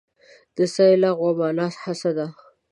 د سعې لغوي مانا هڅه ده.